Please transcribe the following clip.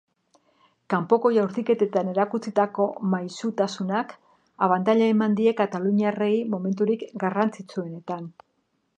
Kanpoko jaurtiketetan erakutsitako maisutasunak abantaila eman die kataluniarrei momenturik garrantzitsuenetan.